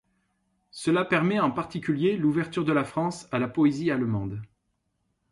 Cela permet en particulier l’ouverture de la France à la poésie allemande.